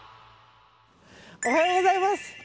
おはようございます。